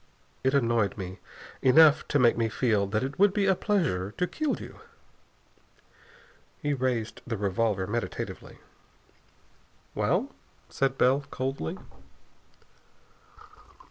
It annoyed me enough to make me feel that it would be a pleasure to kill you." He raised the revolver meditatively. "Well?" said Bell coldly.